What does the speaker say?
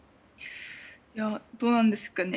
どうなんですかね。